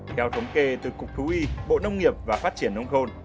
theo thống kê từ cục thú y bộ nông nghiệp và phát triển nông thôn